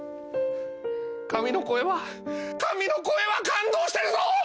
神の声は神の声は感動してるぞ！